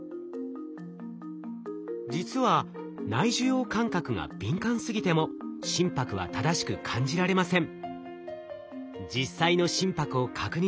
実は内受容感覚が敏感すぎても心拍は正しく感じられません。